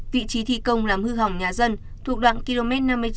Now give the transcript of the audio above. vị trí thi công làm hư hỏng nhà dân thuộc đoạn km năm mươi chín